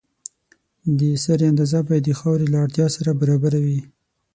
د سرې اندازه باید د خاورې له اړتیا سره برابره وي.